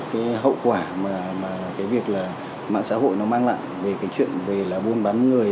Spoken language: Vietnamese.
cái hậu quả mà cái việc là mạng xã hội nó mang lại về cái chuyện về là buôn bán người